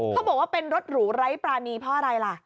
เขาบอกว่าเป็นรถหรูไร้ปรานีเพราะอะไรล่ะ